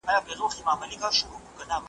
غرونه د طبیعت ښکلا څرګندوي.